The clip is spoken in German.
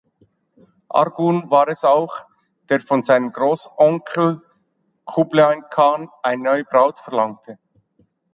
Arghun war es auch, der von seinem Großonkel Kublai Khan eine neue Braut verlangte.